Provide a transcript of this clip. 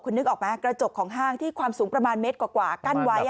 นึกออกไหมกระจกของห้างที่ความสูงประมาณเมตรกว่ากั้นไว้